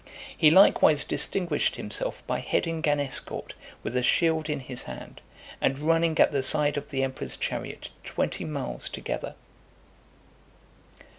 He likewise distinguished himself by heading an escort, with a shield in his hand , and running at the side of the emperor's chariot twenty miles together.